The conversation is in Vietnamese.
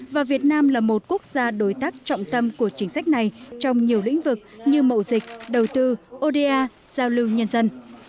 và việt nam là một quốc gia đối tác trọng tâm của chính sách này trong nhiều lĩnh vực như mậu dịch đầu tư oda giao lưu nhân dân